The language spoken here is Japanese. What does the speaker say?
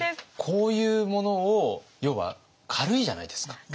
こういうものを要は軽いじゃないですか。